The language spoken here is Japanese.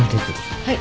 はい。